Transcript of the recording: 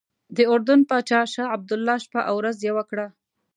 د اردن پاچا شاه عبدالله شپه او ورځ یوه کړه.